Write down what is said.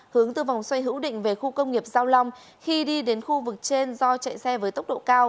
hướng từ vòng xoay hữu định về khu công nghiệp giao long khi đi đến khu vực trên do chạy xe với tốc độ cao